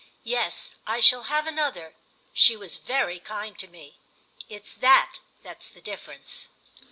"Yes, I shall have another. She was very kind to me. It's that that's the difference."